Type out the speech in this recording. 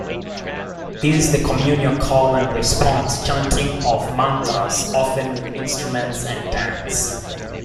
This is the communal, call-and-response chanting of mantras, often with instruments and dance.